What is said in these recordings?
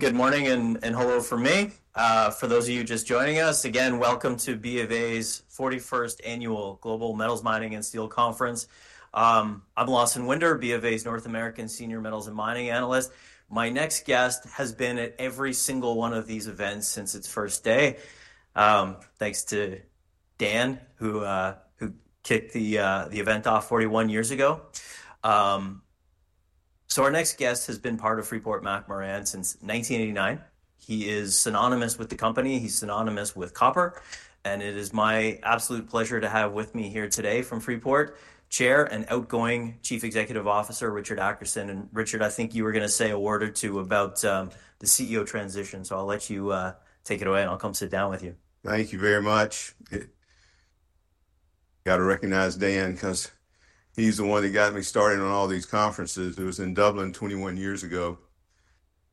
Good morning, and hello from me. For those of you just joining us, again, welcome to BofA's 41st Annual Global Metals, Mining and Steel Conference. I'm Lawson Winder, BofA's North American Senior Metals and Mining Analyst. My next guest has been at every single one of these events since its first day. Thanks to Dan, who kicked the event off 41 years ago. So our next guest has been part of Freeport-McMoRan since 1989. He is synonymous with the company. He's synonymous with copper, and it is my absolute pleasure to have with me here today from Freeport, Chairman and outgoing Chief Executive Officer, Richard Adkerson. Richard, I think you were gonna say a word or two about the CEO transition, so I'll let you take it away, and I'll come sit down with you. Thank you very much. I've gotta recognize Dan 'cause he's the one that got me started on all these conferences. It was in Dublin 21 years ago,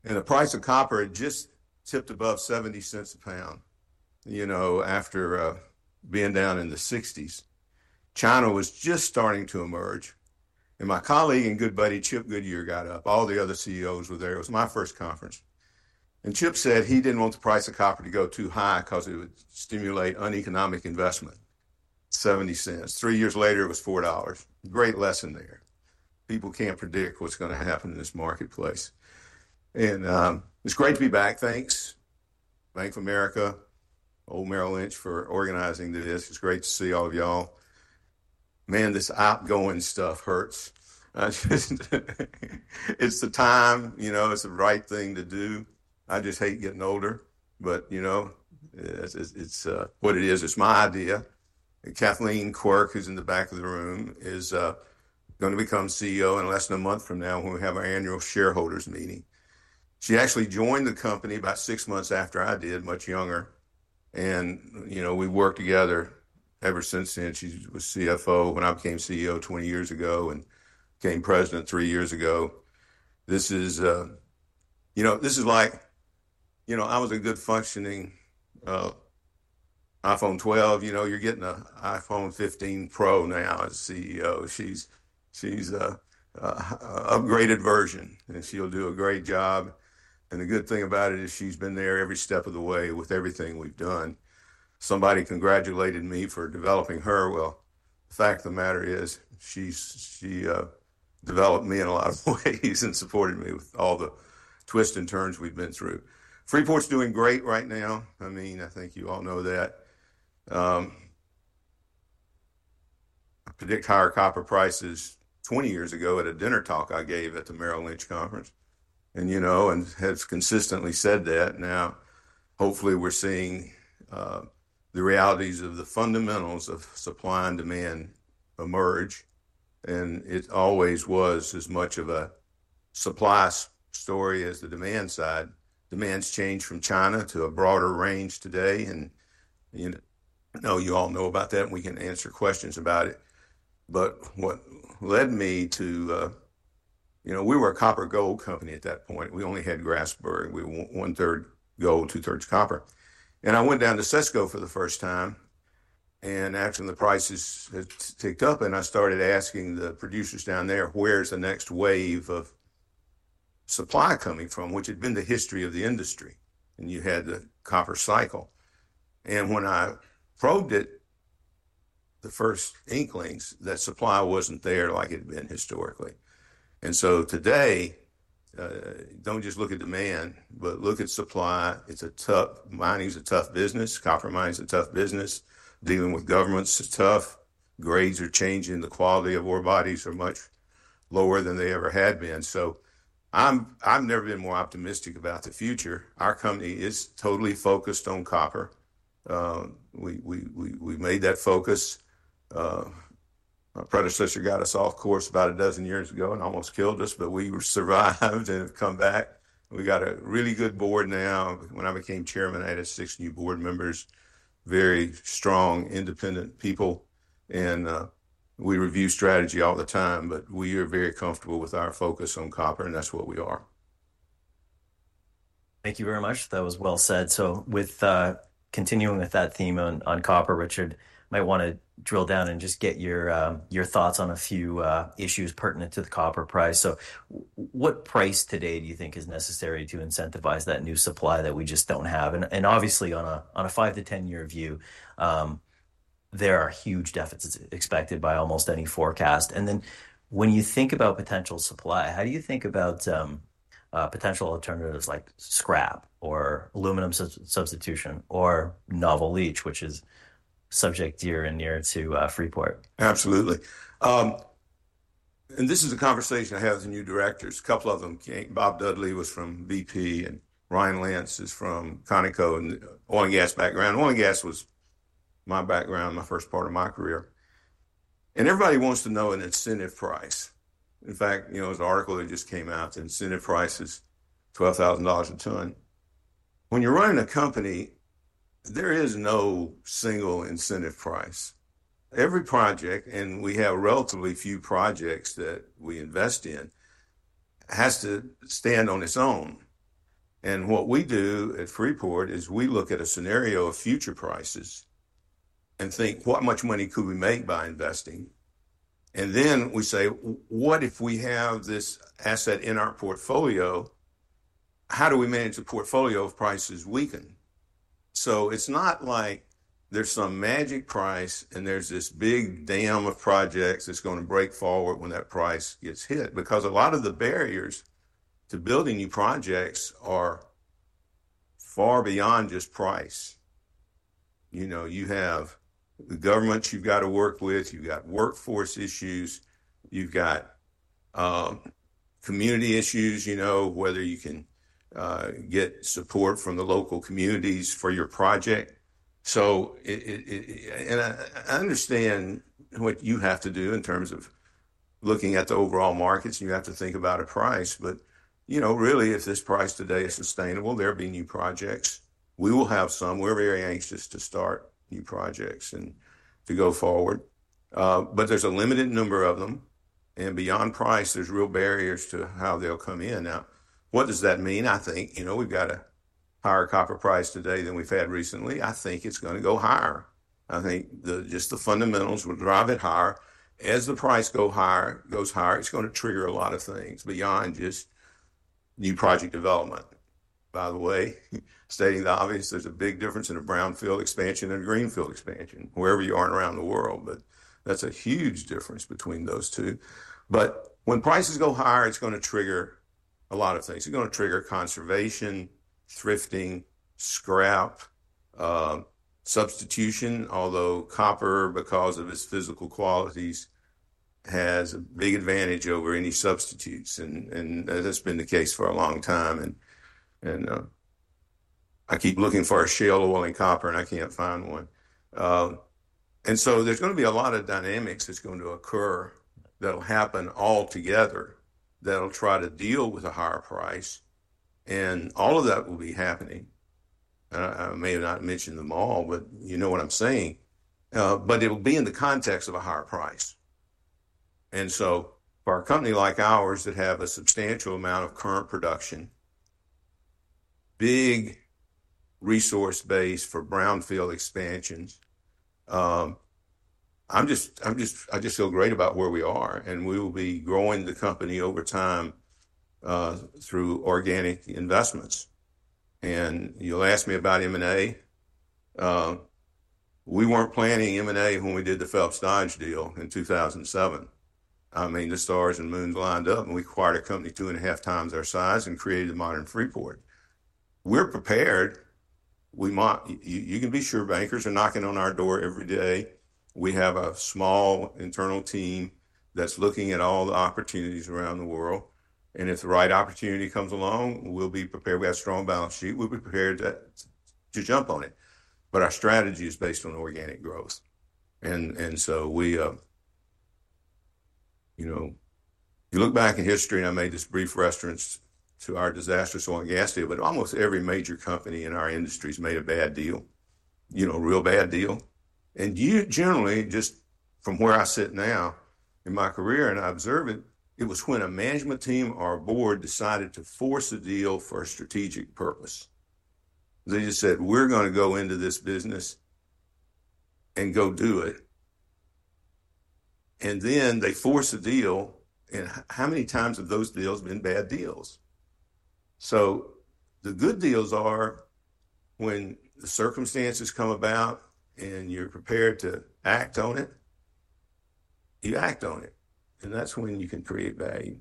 and the price of copper had just tipped above $0.70 a pound. You know, after being down in the 60s, China was just starting to emerge, and my colleague and good buddy, Chip Goodyear, got up. All the other CEOs were there. It was my first conference, and Chip said he didn't want the price of copper to go too high 'cause it would stimulate uneconomic investment. $0.70. 3 years later, it was $4. Great lesson there. People can't predict what's gonna happen in this marketplace. And, it's great to be back. Thanks, Bank of America, old Merrill Lynch, for organizing this. It's great to see all of y'all. Man, this outgoing stuff hurts. It's the time, you know, it's the right thing to do. I just hate getting older, but, you know, it's what it is. It's my idea. And Kathleen Quirk, who's in the back of the room, is gonna become CEO in less than a month from now when we have our annual shareholders meeting. She actually joined the company about 6 months after I did, much younger, and, you know, we worked together ever since then. She was CFO when I became CEO 20 years ago and became president 3 years ago. This is, you know, this is like, you know, I was a good functioning iPhone 12. You know, you're getting a iPhone 15 Pro now as CEO. She's an upgraded version, and she'll do a great job, and the good thing about it is she's been there every step of the way with everything we've done. Somebody congratulated me for developing her well. The fact of the matter is, she's developed me in a lot of ways and supported me with all the twists and turns we've been through. Freeport's doing great right now. I mean, I think you all know that. I predict higher copper prices 20 years ago at a dinner talk I gave at the Merrill Lynch conference, and, you know, and have consistently said that. Now, hopefully, we're seeing the realities of the fundamentals of supply and demand emerge, and it always was as much of a supply story as the demand side. Demand's changed from China to a broader range today, and, you know, you all know about that, and we can answer questions about it. But what led me to... You know, we were a copper gold company at that point. We only had Grasberg. We were one-third gold, two-thirds copper. And I went down to CESCO for the first time, and actually, the prices had ticked up, and I started asking the producers down there, "Where's the next wave of supply coming from?" Which had been the history of the industry, and you had the copper cycle. And when I probed it, the first inklings, that supply wasn't there like it had been historically. And so today, don't just look at demand, but look at supply. It's a tough-- mining is a tough business. Copper mining is a tough business. Dealing with governments is tough. Grades are changing. The quality of ore bodies are much lower than they ever had been. So I've never been more optimistic about the future. Our company is totally focused on copper. We made that focus. My predecessor got us off course about a dozen years ago and almost killed us, but we survived and have come back. We got a really good board now. When I became chairman, I had six new board members, very strong, independent people, and we review strategy all the time, but we are very comfortable with our focus on copper, and that's what we are. Thank you very much. That was well said. So with continuing with that theme on, on copper, Richard, might wanna drill down and just get your your thoughts on a few issues pertinent to the copper price. So what price today do you think is necessary to incentivize that new supply that we just don't have? And, and obviously, on a, on a 5-10-year view, there are huge deficits expected by almost any forecast. And then when you think about potential supply, how do you think about potential alternatives like scrap or aluminum substitution or novel leach, which is subject dear and near to Freeport? Absolutely. And this is a conversation I have with the new directors, a couple of them. Bob Dudley was from BP, and Ryan Lance is from Conoco and oil and gas background. Oil and gas was my background, my first part of my career, and everybody wants to know an incentive price. In fact, you know, there's an article that just came out, the incentive price is $12,000 a ton. When you're running a company, there is no single incentive price. Every project, and we have relatively few projects that we invest in, has to stand on its own, and what we do at Freeport is we look at a scenario of future prices, and think what much money could we make by investing? And then we say, what if we have this asset in our portfolio, how do we manage the portfolio if prices weaken? So it's not like there's some magic price, and there's this big dam of projects that's gonna break forward when that price gets hit, because a lot of the barriers to building new projects are far beyond just price. You know, you have the governments you've got to work with, you've got workforce issues, you've got community issues, you know, whether you can get support from the local communities for your project. So it and I understand what you have to do in terms of looking at the overall markets, and you have to think about a price, but, you know, really, if this price today is sustainable, there'll be new projects. We will have some. We're very anxious to start new projects and to go forward. But there's a limited number of them, and beyond price, there's real barriers to how they'll come in. Now, what does that mean? I think, you know, we've got a higher copper price today than we've had recently. I think it's gonna go higher. I think the, just the fundamentals will drive it higher. As the price go higher, goes higher, it's gonna trigger a lot of things beyond just new project development. By the way, stating the obvious, there's a big difference in a brownfield expansion and a greenfield expansion, wherever you are around the world, but that's a huge difference between those two. But when prices go higher, it's gonna trigger a lot of things. It's gonna trigger conservation, thrifting, scrap, substitution, although copper, because of its physical qualities, has a big advantage over any substitutes, and that's been the case for a long time, and I keep looking for a shale oil in copper, and I can't find one. So there's gonna be a lot of dynamics that's going to occur that'll happen all together, that'll try to deal with a higher price, and all of that will be happening. I may not mention them all, but you know what I'm saying. But it will be in the context of a higher price. For a company like ours that have a substantial amount of current production, big resource base for brownfield expansions, I just feel great about where we are, and we will be growing the company over time through organic investments. You'll ask me about M&A. We weren't planning M&A when we did the Phelps Dodge deal in 2007. I mean, the stars and moons lined up, and we acquired a company 2.5 times our size and created a modern Freeport. We're prepared. You can be sure bankers are knocking on our door every day. We have a small internal team that's looking at all the opportunities around the world, and if the right opportunity comes along, we'll be prepared. We have a strong balance sheet. We'll be prepared to jump on it, but our strategy is based on organic growth. And so we... You know, you look back in history, and I made this brief reference to our disastrous oil and gas deal, but almost every major company in our industry has made a bad deal, you know, a real bad deal. And you generally, just from where I sit now in my career, and I observe it, it was when a management team or a board decided to force a deal for a strategic purpose. They just said, "We're gonna go into this business and go do it." And then they force a deal, and how many times have those deals been bad deals? The good deals are when the circumstances come about, and you're prepared to act on it, you act on it, and that's when you can create value,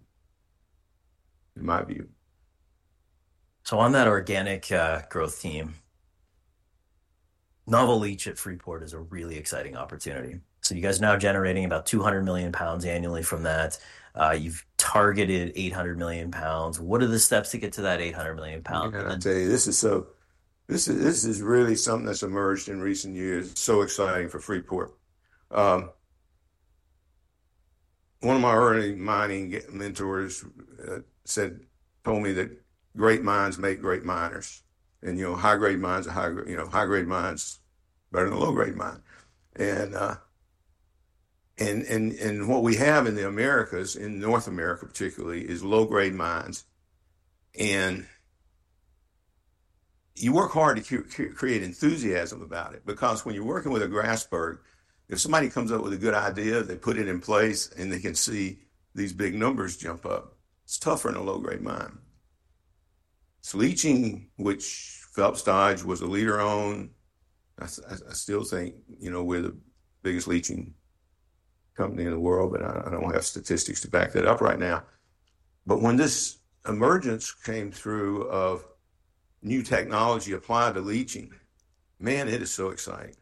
in my view. So on that organic growth team, novel leach at Freeport is a really exciting opportunity. So you guys are now generating about 200 million pounds annually from that. You've targeted 800 million pounds. What are the steps to get to that 800 million pound? I tell you, this is—this is really something that's emerged in recent years. So exciting for Freeport. One of my early mining mentors told me that great mines make great miners. And, you know, high-grade mines are high-grade, you know, high-grade mines better than a low-grade mine. And, and, what we have in the Americas, in North America particularly, is low-grade mines, and you work hard to create enthusiasm about it, because when you're working with a Grasberg, if somebody comes up with a good idea, they put it in place, and they can see these big numbers jump up. It's tougher in a low-grade mine. So leaching, which Phelps Dodge was a leader on, I still think, you know, we're the biggest leaching company in the world, but I don't have statistics to back that up right now. But when this emergence came through of new technology applied to leaching, man, it is so exciting.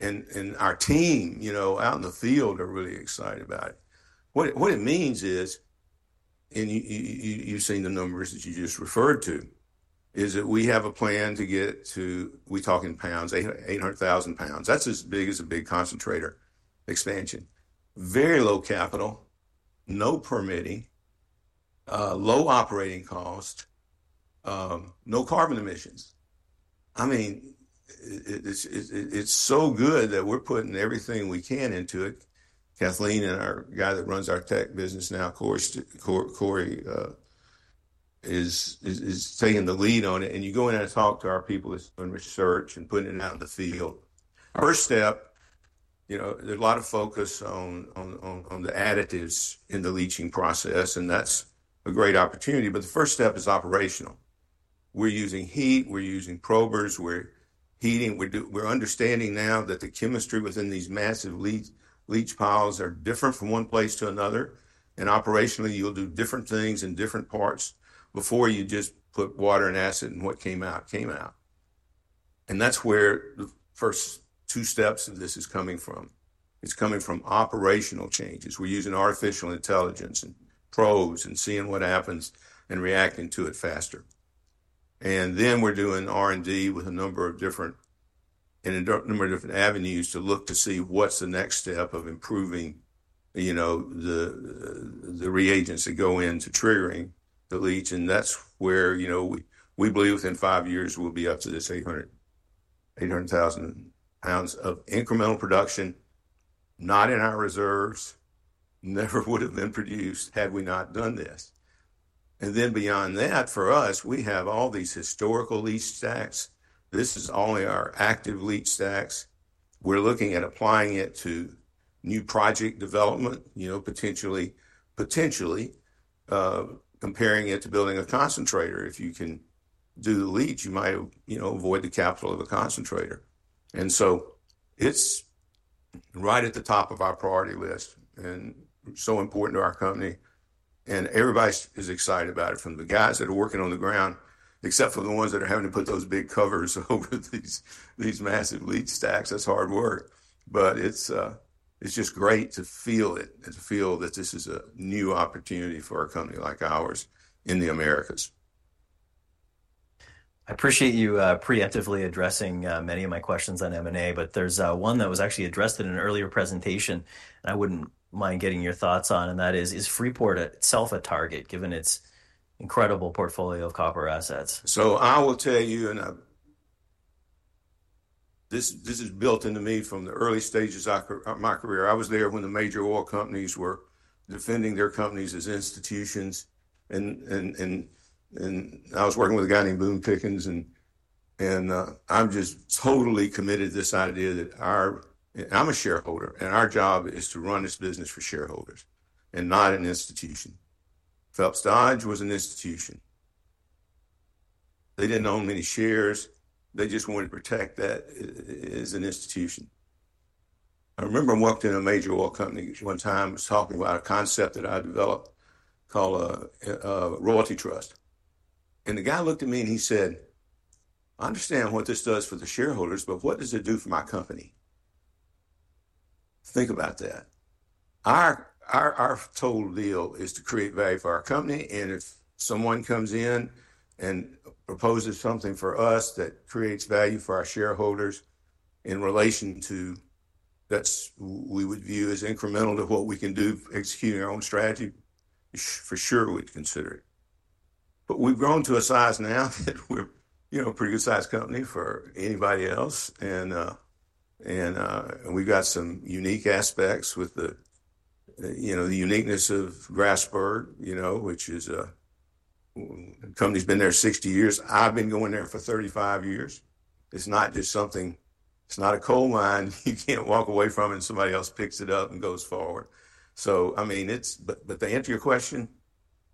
And our team, you know, out in the field are really excited about it. What it means is, and you've seen the numbers that you just referred to, is that we have a plan to get to, we talk in pounds, 800,000 pounds. That's as big as a big concentrator expansion. Very low capital, no permitting, low operating cost, no carbon emissions. I mean, it's so good that we're putting everything we can into it. Kathleen and our guy that runs our tech business now, Cory, is taking the lead on it, and you go in and talk to our people that's doing research and putting it out in the field. First step, you know, there's a lot of focus on the additives in the leaching process, and that's a great opportunity. But the first step is operational. We're using heat, we're using probes, we're heating. We're understanding now that the chemistry within these massive leach piles are different from one place to another, and operationally, you'll do different things in different parts before you just put water and acid, and what came out, came out. And that's where the first two steps of this is coming from. It's coming from operational changes. We're using artificial intelligence and probes and seeing what happens and reacting to it faster. And then we're doing R&D with a number of different, and a number of different avenues to look to see what's the next step of improving, you know, the, the reagents that go into triggering the leach. And that's where, you know, we, we believe within five years, we'll be up to this 800,000 pounds of incremental production, not in our reserves, never would have been produced had we not done this. And then beyond that, for us, we have all these historical leach stacks. This is only our active leach stacks. We're looking at applying it to new project development, you know, potentially, potentially, comparing it to building a concentrator. If you can do the leach, you might, you know, avoid the capital of a concentrator. So it's right at the top of our priority list and so important to our company, and everybody is excited about it from the guys that are working on the ground, except for the ones that are having to put those big covers over these massive leach stacks. That's hard work, but it's just great to feel it and to feel that this is a new opportunity for a company like ours in the Americas. I appreciate you preemptively addressing many of my questions on M&A, but there's one that was actually addressed in an earlier presentation I wouldn't mind getting your thoughts on, and that is Freeport itself a target, given its incredible portfolio of copper assets? So I will tell you, and this is built into me from the early stages of my career. I was there when the major oil companies were defending their companies as institutions, and I was working with a guy named Boone Pickens, and I'm just totally committed to this idea that our... I'm a shareholder, and our job is to run this business for shareholders and not an institution. Phelps Dodge was an institution. They didn't own many shares. They just wanted to protect that, i.e., as an institution. I remember I walked in a major oil company one time, was talking about a concept that I developed called a royalty trust. And the guy looked at me and he said, "I understand what this does for the shareholders, but what does it do for my company?" Think about that. Our total deal is to create value for our company, and if someone comes in and proposes something for us that creates value for our shareholders in relation to that's, we would view as incremental to what we can do, execute our own strategy, for sure, we'd consider it. But we've grown to a size now that we're, you know, a pretty good-sized company for anybody else. And we've got some unique aspects with the, you know, the uniqueness of Grasberg, you know, which is a company's been there 60 years. I've been going there for 35 years. It's not just something. It's not a coal mine you can't walk away from, and somebody else picks it up and goes forward. So, I mean, it's, but to answer your question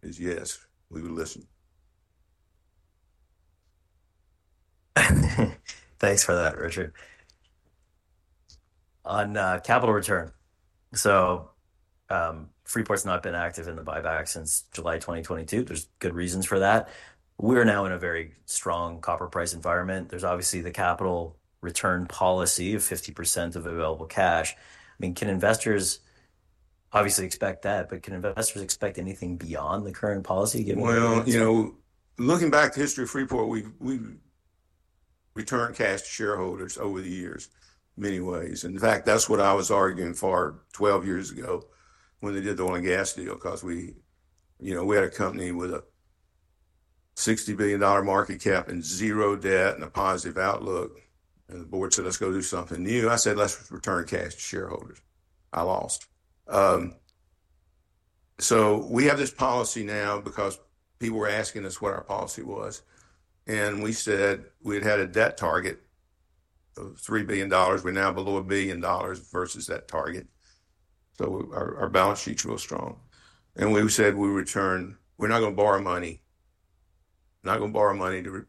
is, yes, we would listen. Thanks for that, Richard. On capital return. So, Freeport's not been active in the buyback since July 2022. There's good reasons for that. We're now in a very strong copper price environment. There's obviously the capital return policy of 50% of available cash. I mean, can investors obviously expect that, but can investors expect anything beyond the current policy, given- Well, you know, looking back at the history of Freeport, we've returned cash to shareholders over the years, many ways. In fact, that's what I was arguing for 12 years ago when they did the oil and gas deal, 'cause we, you know, we had a company with a $60 billion market cap and zero debt and a positive outlook, and the board said, "Let's go do something new." I said, "Let's return cash to shareholders." I lost. So we have this policy now because people were asking us what our policy was, and we said we'd had a debt target of $3 billion. We're now below $1 billion versus that target. So our balance sheet's real strong. And we said we return. We're not gonna borrow money, not gonna borrow money to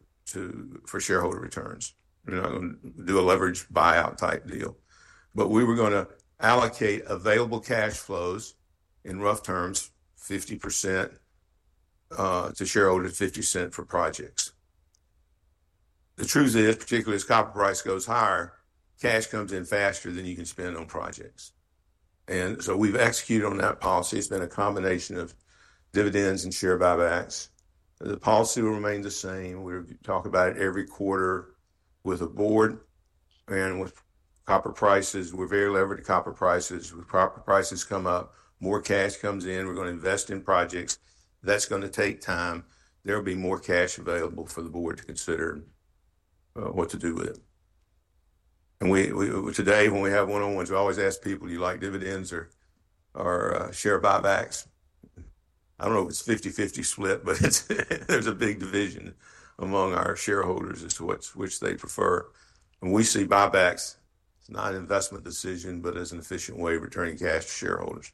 for shareholder returns. We're not gonna do a leveraged buyout type deal, but we were gonna allocate available cash flows, in rough terms, 50%, to shareholder, 50% for projects. The truth is, particularly as copper price goes higher, cash comes in faster than you can spend on projects. And so we've executed on that policy. It's been a combination of dividends and share buybacks. The policy will remain the same. We talk about it every quarter with the board and with copper prices. We're very levered to copper prices. With copper prices come up, more cash comes in. We're gonna invest in projects. That's gonna take time. There'll be more cash available for the board to consider what to do with it.... And we today, when we have one-on-ones, we always ask people, "Do you like dividends or share buybacks?" I don't know if it's 50/50 split, but there's a big division among our shareholders as to which they prefer. When we see buybacks, it's not an investment decision, but it's an efficient way of returning cash to shareholders.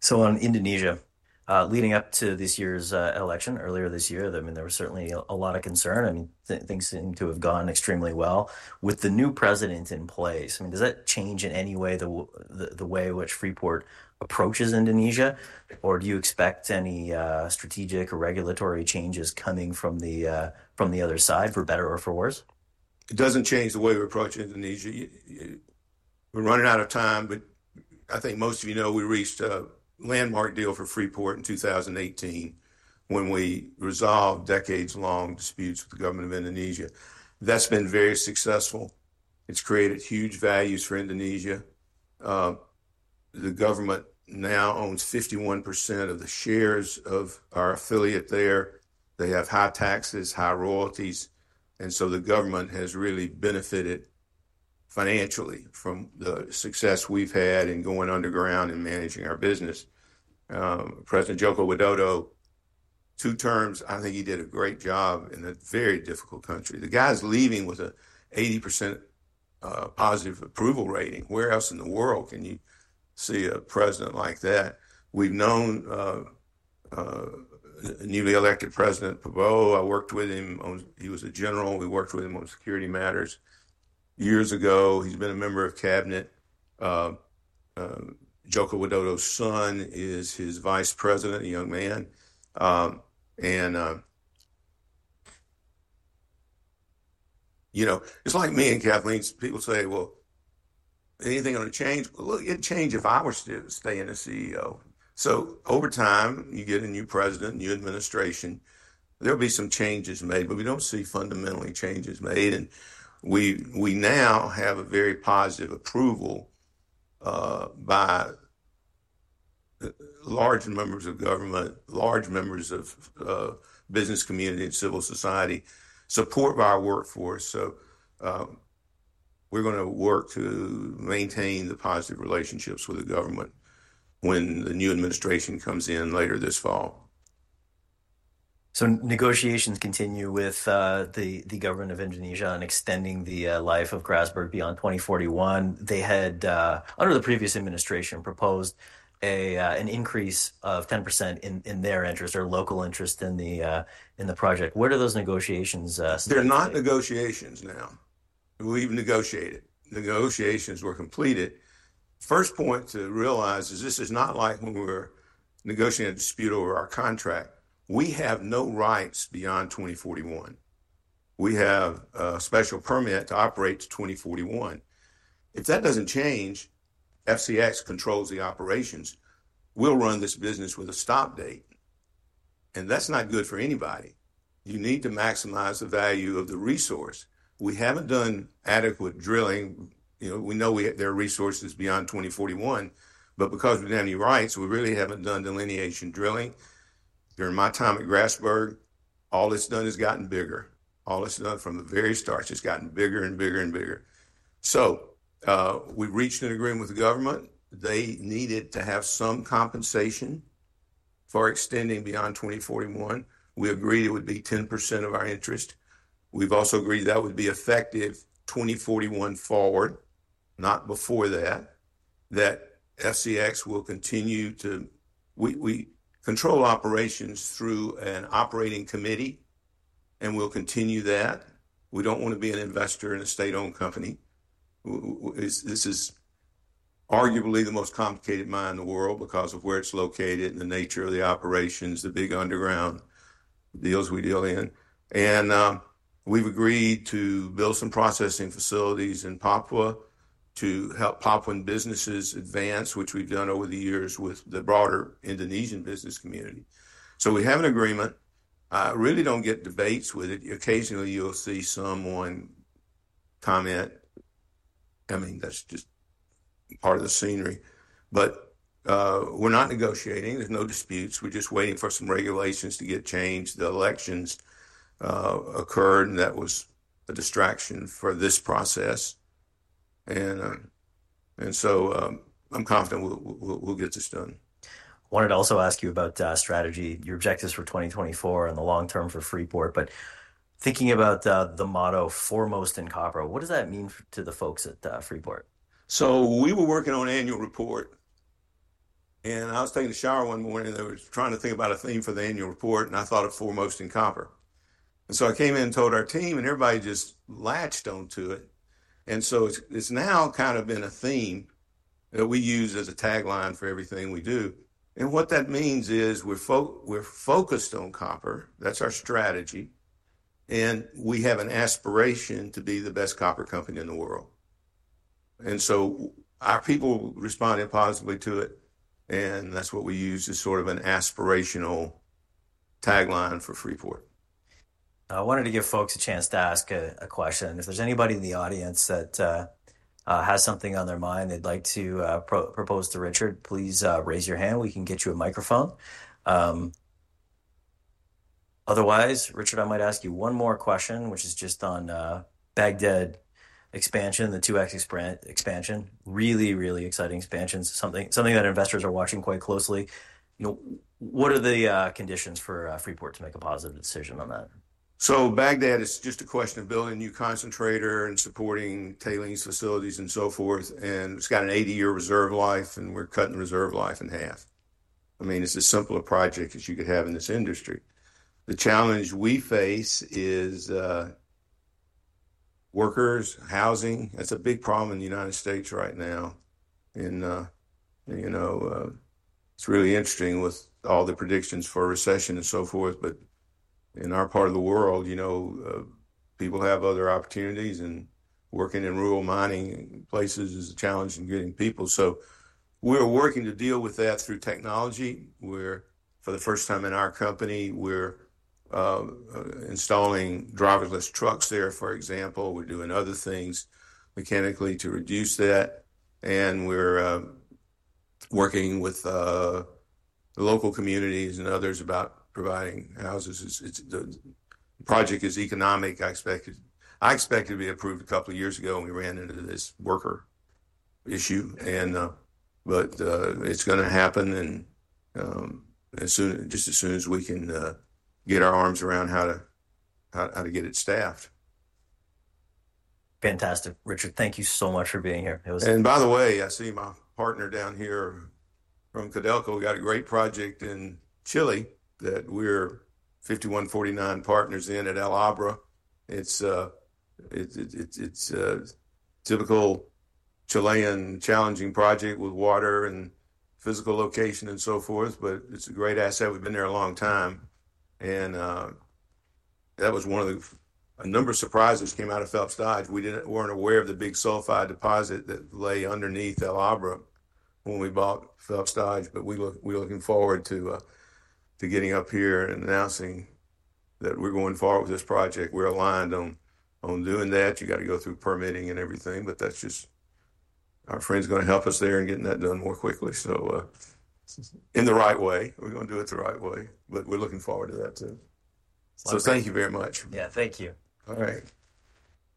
So on Indonesia, leading up to this year's election earlier this year, I mean, there was certainly a lot of concern, and things seem to have gone extremely well. With the new president in place, I mean, does that change in any way the way which Freeport approaches Indonesia, or do you expect any strategic or regulatory changes coming from the other side, for better or for worse? It doesn't change the way we approach Indonesia. We're running out of time, but I think most of you know, we reached a landmark deal for Freeport in 2018 when we resolved decades-long disputes with the government of Indonesia. That's been very successful. It's created huge values for Indonesia. The government now owns 51% of the shares of our affiliate there. They have high taxes, high royalties, and so the government has really benefited financially from the success we've had in going underground and managing our business. President Joko Widodo, two terms, I think he did a great job in a very difficult country. The guy's leaving with a 80% positive approval rating. Where else in the world can you see a president like that? We've known the newly elected President Prabowo. I worked with him on... He was a general. We worked with him on security matters years ago. He's been a member of cabinet. Joko Widodo's son is his vice president, a young man. And, you know, it's like me and Kathleen. People say, "Well, anything gonna change?" Well, it'd change if I were staying as CEO. So over time, you get a new president, new administration, there'll be some changes made, but we don't see fundamentally changes made. And we, we now have a very positive approval by large members of government, large members of business community and civil society, support by our workforce. So, we're gonna work to maintain the positive relationships with the government when the new administration comes in later this fall. So negotiations continue with the government of Indonesia on extending the life of Grasberg beyond 2041. They had, under the previous administration, proposed an increase of 10% in their interest or local interest in the project. Where do those negotiations stand? They're not negotiations now. We've negotiated. Negotiations were completed. First point to realize is this is not like when we were negotiating a dispute over our contract. We have no rights beyond 2041. We have a special permit to operate to 2041. If that doesn't change, FCX controls the operations. We'll run this business with a stop date, and that's not good for anybody. You need to maximize the value of the resource. We haven't done adequate drilling. You know, we know we have-- there are resources beyond 2041, but because we have any rights, we really haven't done delineation drilling. During my time at Grasberg, all it's done is gotten bigger. All it's done from the very start, it's gotten bigger and bigger and bigger. So, we've reached an agreement with the government. They needed to have some compensation for extending beyond 2041. We agreed it would be 10% of our interest. We've also agreed that would be effective 2041 forward, not before that. That FCX will continue to, we, we control operations through an operating committee, and we'll continue that. We don't want to be an investor in a state-owned company. This is arguably the most complicated mine in the world because of where it's located and the nature of the operations, the big underground deals we deal in. And we've agreed to build some processing facilities in Papua to help Papuan businesses advance, which we've done over the years with the broader Indonesian business community. So we have an agreement. I really don't get debates with it. Occasionally, you'll see someone comment. I mean, that's just part of the scenery. But we're not negotiating. There's no disputes. We're just waiting for some regulations to get changed. The elections occurred, and that was a distraction for this process. And so, I'm confident we'll get this done. Wanted to also ask you about strategy, your objectives for 2024 and the long term for Freeport. But thinking about the motto, Foremost in Copper, what does that mean to the folks at Freeport? So we were working on annual report, and I was taking a shower one morning, and I was trying to think about a theme for the annual report, and I thought of Foremost in Copper. And so I came in and told our team, and everybody just latched on to it. And so it's, it's now kind of been a theme that we use as a tagline for everything we do. And what that means is we're focused on copper. That's our strategy, and we have an aspiration to be the best copper company in the world. And so our people responded positively to it, and that's what we use as sort of an aspirational tagline for Freeport. I wanted to give folks a chance to ask a question. If there's anybody in the audience that has something on their mind they'd like to propose to Richard, please raise your hand. We can get you a microphone. Otherwise, Richard, I might ask you one more question, which is just on Bagdad expansion, the 2x expansion. Really, really exciting expansions, something that investors are watching quite closely. You know, what are the conditions for Freeport to make a positive decision on that? So Bagdad is just a question of building a new concentrator and supporting tailings facilities and so forth, and it's got an 80-year reserve life, and we're cutting the reserve life in half. I mean, it's as simple a project as you could have in this industry. The challenge we face is, workers, housing. That's a big problem in the United States right now. And, you know, it's really interesting with all the predictions for a recession and so forth, but in our part of the world, you know, people have other opportunities, and working in rural mining places is a challenge in getting people. So we're working to deal with that through technology, where for the first time in our company, we're installing driverless trucks there, for example, we're doing other things mechanically to reduce that, and we're working with the local communities and others about providing houses. It's the project is economic. I expected, I expect it to be approved a couple of years ago, and we ran into this worker issue, and... But it's gonna happen and, as soon, just as soon as we can get our arms around how to get it staffed. Fantastic. Richard, thank you so much for being here. It was- And by the way, I see my partner down here from Codelco got a great project in Chile that we're 51/49 partners in at El Abra. It's a typical Chilean challenging project with water and physical location and so forth, but it's a great asset. We've been there a long time, and that was one of a number of surprises that came out of Phelps Dodge. We weren't aware of the big sulfide deposit that lay underneath El Abra when we bought Phelps Dodge, but we're looking forward to getting up here and announcing that we're going forward with this project. We're aligned on doing that. You got to go through permitting and everything, but that's just, our friends are gonna help us there in getting that done more quickly. So, in the right way, we're gonna do it the right way, but we're looking forward to that, too. So- Thank you very much. Yeah, thank you. All right.